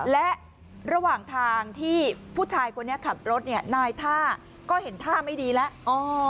และระหว่างทางที่ผู้ชายคนนี้ขับรถเนี่ยนายท่าก็เห็นท่าไม่ดีแล้ว